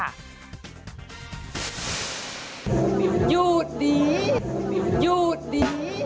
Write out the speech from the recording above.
หยุดดีหยุดดี